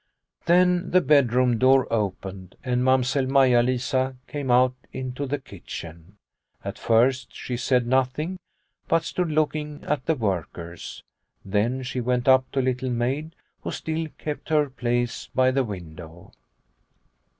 Then the bedroom door opened and Mamsell Maia Lisa came out into the kitchen. At first she said nothing, but stood looking at the workers. Then she went up to Little Maid, who still kept her place by the window.